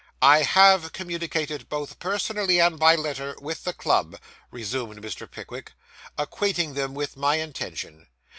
'I have communicated, both personally and by letter, with the club,' resumed Mr. Pickwick, 'acquainting them with my intention.